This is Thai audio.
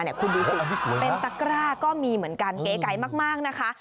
คุณดูสิเป็นตะกร้าก็มีเหมือนกันเก๋มากนะคะ